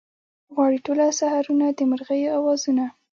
غواړي ټوله سحرونه د مرغیو اوازونه